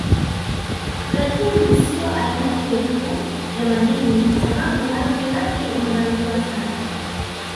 Lakini siyo aina hiyo tu ya madini kwa sababu ardhi yake imebarikiwa sana